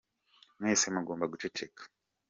Mwese mugomba guceceka.